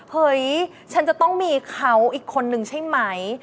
เฮ้ยฉันจะต้องมีเขาอีกคนนึงใช่ไหม